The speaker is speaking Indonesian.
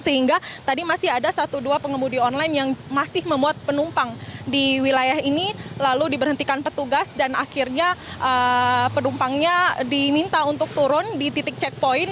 sehingga tadi masih ada satu dua pengemudi online yang masih memuat penumpang di wilayah ini lalu diberhentikan petugas dan akhirnya penumpangnya diminta untuk turun di titik checkpoint